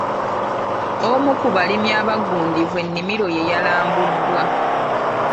Omu ku balimi abagundiivu ennimiro ye yalambuddwa.